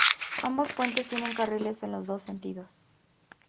Ambos puentes tienen carriles en los dos sentidos.